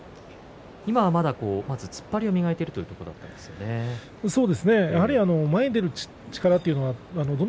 今は、まず突っ張りを磨いているということですね。